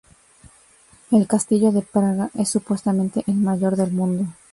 El Castillo de Praga es supuestamente el mayor del mundo.